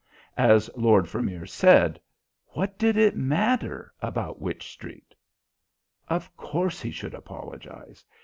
As Lord Vermeer said, what did it matter about Wych Street? Of course he should apologize.